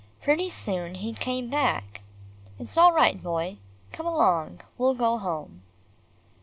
Pretty soon he came back. "It's all right, Boy. Come along, we'll go home."